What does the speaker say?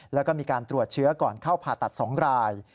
แล้วก็มีการตรวจเชื้อก่อนเข้าผ่าตัด๒ราย